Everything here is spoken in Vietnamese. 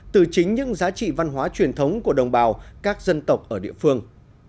từ chính những giá trị văn hóa truyền thống của đồng bào các dân tộc ở địa phương